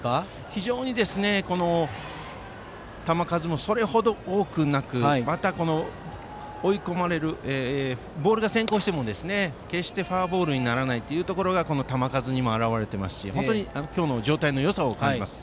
非常に球数もそれほど多くなくまた、ボールが先行しても決してフォアボールにならないところが球数にも表れているし状態のよさを感じます。